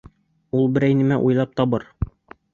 Ул берәй нәмә уйлап табыр!